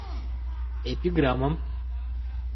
Эпиграммым